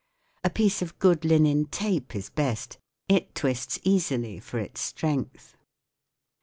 A piece of good linen tape is best ; it twists easily for its strength.